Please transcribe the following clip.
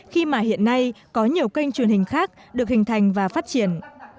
khi mà hiện nay có nhiều kênh truyền hình khác được hình thành và phát triển